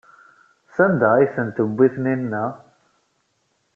Sanda ay tent-tewwi Taninna?